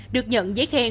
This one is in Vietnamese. được nhận giấy khen